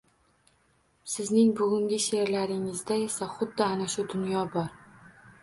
Sizning bugungi sheʼrlaringizda esa, xuddi ana shu dunyo bor